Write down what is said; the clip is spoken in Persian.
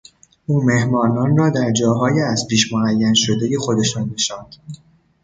او مهمانان را در جاهای از پیش معین شدهی خودشان نشاند.